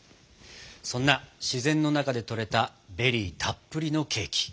そんな自然の中で採れたベリーたっぷりのケーキ。